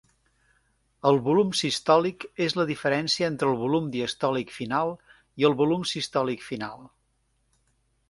El volum sistòlic és la diferència entre el volum diastòlic final i el volum sistòlic final.